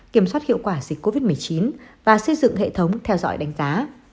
kiểm soát hiệu quả dịch covid một mươi chín và xây dựng hệ thống theo dõi đánh giá